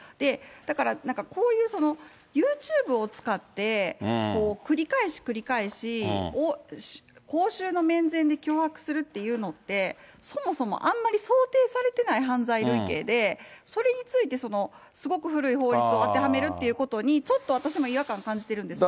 だから、なんかこういうそのユーチューブを使って、繰り返し繰り返し、公衆の面前で脅迫するっていうのって、そもそもあんまり想定されてない犯罪類型で、それについてすごく古い法律を当てはめるっていうことに、ちょっと私も違和感感じてるんですよね。